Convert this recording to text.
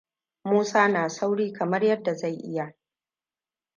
Musa na sauri kamar yadda zai iya.